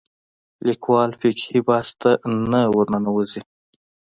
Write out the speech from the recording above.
لیکوال فقهي بحث ته نه ورننوځي